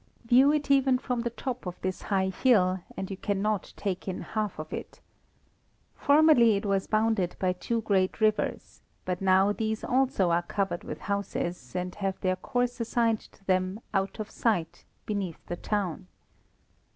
View it even from the top of this high hill, and you cannot take in half of it. Formerly it was bounded by two great rivers, but now these also are covered with houses, and have their course assigned to them out of sight, beneath the town.